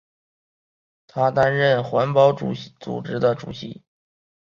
他担任环保组织的主席。